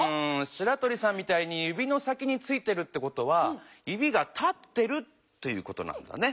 しらとりさんみたいにゆびの先についてるってことはゆびが立ってるってことなんだね。